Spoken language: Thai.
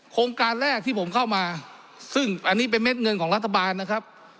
โครงการแรกที่ผมเข้ามาซึ่งอันนี้เป็นเม็ดเงินของรัฐบาลนะครับ